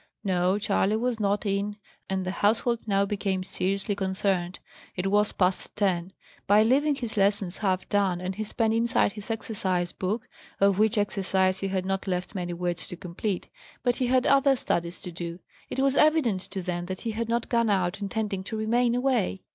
No, Charley was not in; and the household now became seriously concerned. It was past ten. By leaving his lessons half done, and his pen inside his exercise book of which exercise he had not left many words to complete; but he had other studies to do it was evident to them that he had not gone out intending to remain away.